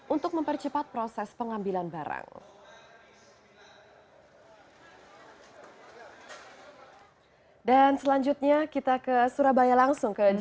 untuk mempercepat proses pengambilan barang